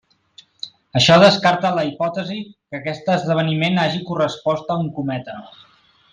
Això descarta la hipòtesi que aquest esdeveniment hagi correspost a un cometa.